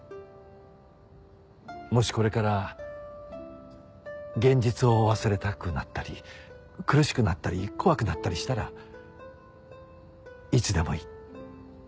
もしこれから現実を忘れたくなったり苦しくなったり怖くなったりしたらいつでもいい。